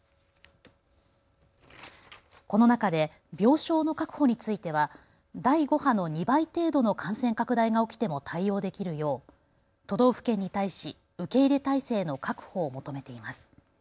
この中で病床の確保については第５波の２倍程度の感染拡大が起きても対応できるよう都道府県に対し受け入れ体制の確保を求めています。